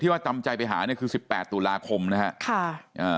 ว่าจำใจไปหาเนี่ยคือสิบแปดตุลาคมนะฮะค่ะอ่า